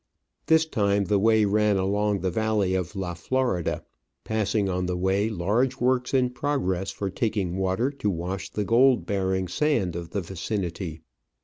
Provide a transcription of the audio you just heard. This time the way ran along the valley of La Florida, passing on the way large works in progress for taking water to wash the gold bearing sand of the vicinity.